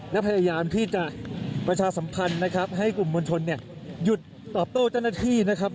และพยายามที่จะประชาสัมพันธ์ให้กลุ่มมนชนหยุดตอบโต้แจ้งนาทีนะครับ